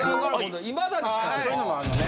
そういうのがあるのね。